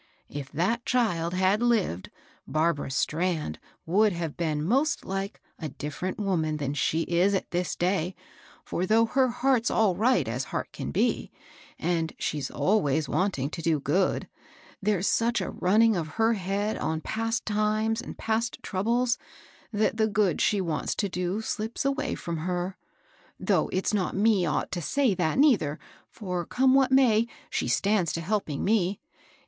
If that child had lived, Barbara Strand would have been most like, a different woman than she is at this day ; for though her heart's all right as heart can be, and she's always wanting to do good, there's such a running of her head on past times and past trou bles, that the good she wants to do slips away firom her. Though it's not me ought to say that, nei ther, for, come what may, she stands to helping THE FIfiST FLOOB LODOEB. 278 me.